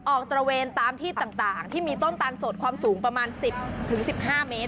ตระเวนตามที่ต่างที่มีต้นตาลสดความสูงประมาณ๑๐๑๕เมตร